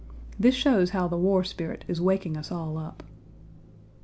This shows how the war spirit is waking us all up.